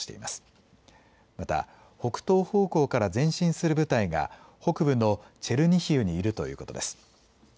また北東方向から前進する部隊が北部のチェルニヒウにいるということです。